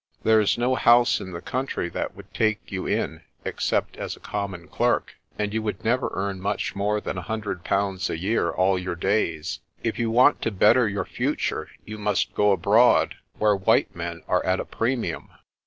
There's no house in the country that would take you in except as a common clerk, and you would never earn much more than a hundred pounds a year all your days. If you want to better your future you must go abroad, where white men are at a premium.